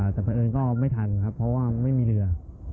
แต่เป็นอื่นก็ไม่ทันเพราะว่าไม่มีเรือ